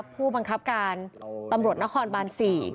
ผู้บังคับการตำรวจนครบาน๔